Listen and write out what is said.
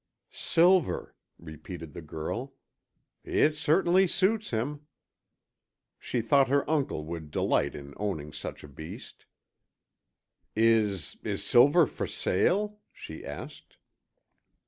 '" "Silver," repeated the girl. "It certainly suits him." She thought her uncle would delight in owning such a beast. "Is is Silver for sale?" she asked.